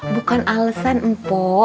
bukan alesan mpo